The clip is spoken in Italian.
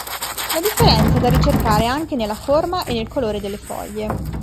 La differenza è da ricercare anche nella forma e nel colore delle foglie.